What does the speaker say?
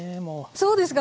そうですか